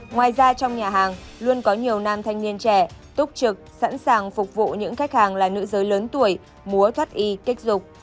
ngoài ra trong nhà hàng luôn có nhiều nam thanh niên trẻ túc trực sẵn sàng phục vụ những khách hàng là nữ giới lớn tuổi múa thoát y kích dục